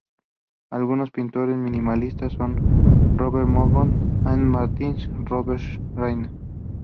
Algunos pintores minimalistas son Robert Mangold, Agnes Martin y Robert Ryman.